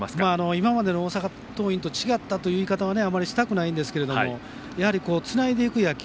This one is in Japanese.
今までの大阪桐蔭と違ったという言い方はあまりしたくありませんがつないでいく野球